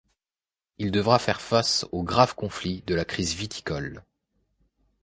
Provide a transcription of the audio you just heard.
Il devra faire face aux graves conflits de la crise viticole.